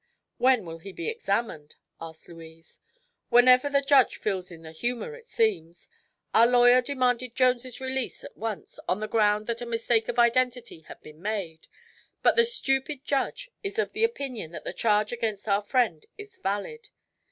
"When will he be examined?" asked Louise. "Whenever the judge feels in the humor, it seems. Our lawyer demanded Jones' release at once, on the ground that a mistake of identity had been made; but the stupid judge is of the opinion that the charge against our friend is valid.